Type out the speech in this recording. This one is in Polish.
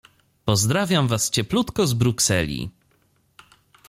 Pozdrawiam was cieplutko z Brukseli.